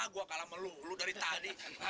gue kalah sama lu lu dari tadi